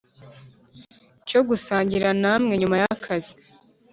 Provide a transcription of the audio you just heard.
cyogusangira namwe nyuma yakazi